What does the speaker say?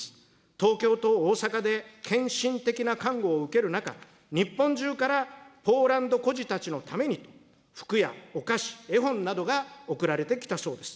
東京と大阪で献身的な看護を受ける中、日本中からポーランド孤児たちのためにと、服やお菓子、絵本などが送られてきたそうです。